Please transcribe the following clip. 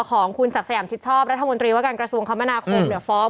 ของคุณศักดิ์สยามชิดชอบรัฐมนตรีว่าการกระทรวงคมนาคมฟ้อง